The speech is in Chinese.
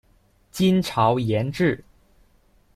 金朝沿置。